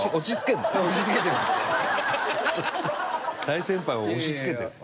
大先輩を押し付けてる？